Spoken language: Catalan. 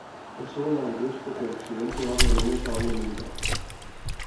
El seu anàleg més proper a occident probablement és la banda militar.